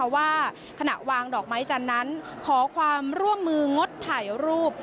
ว่าขณะวางดอกไม้จันทร์นั้นขอความร่วมมืองดถ่ายรูป